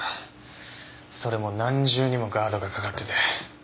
それも何重にもガードがかかってて。